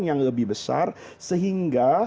yang lebih besar sehingga